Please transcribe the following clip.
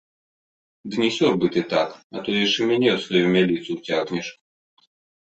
Ды не сёрбай ты так, а то яшчэ мяне ў сваю мяліцу ўцягнеш!